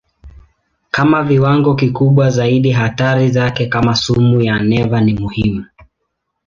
Kwa viwango kikubwa zaidi hatari zake kama sumu ya neva ni muhimu.